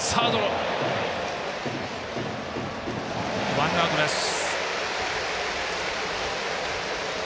ワンアウトです。